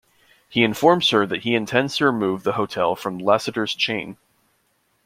He informs her that he intends to remove the hotel from Lassiter's chain.